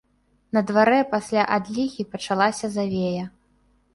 На дварэ пасля адлігі пачалася завея.